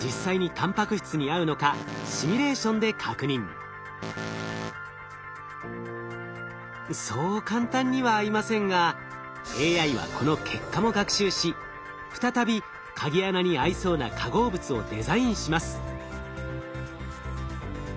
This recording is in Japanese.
次に富岳でそう簡単には合いませんがＡＩはこの結果も学習し再び鍵穴に合いそうな化合物をデザインします。